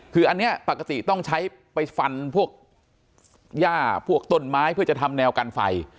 คืออันนี้ปกติต้องใช้ไปฟันพวกย่าพวกต้นไม้เพื่อจะทำแนวกันไฟ